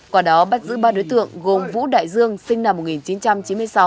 quả đó bắt giữ ba đối tượng gồm vũ đại dương sinh năm một nghìn chín trăm chín mươi sáu